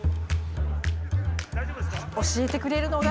教えてくれるのが。